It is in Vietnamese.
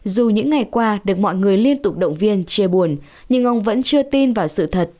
dù những ngày qua được mọi người liên tục động viên chia buồn nhưng ông vẫn chưa tin vào sự thật